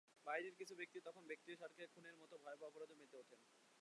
বাহিনীর কিছু ব্যক্তি তখন ব্যক্তিস্বার্থে খুনের মতো ভয়াবহ অপরাধেও মেতে ওঠেন।